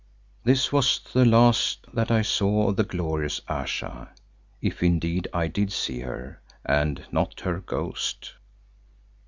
This was the last that I saw of the glorious Ayesha, if indeed I did see her and not her ghost.